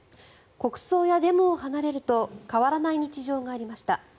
国葬やデモを離れると変わらない日常がありました。